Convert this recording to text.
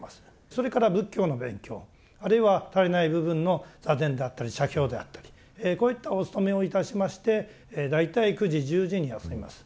それから仏教の勉強あるいは足りない部分の座禅であったり写経であったりこういったお勤めをいたしまして大体９時１０時に休みます。